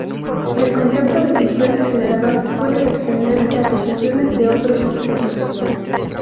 El concepto de funciones generadoras puede extenderse a sucesiones de otros objetos.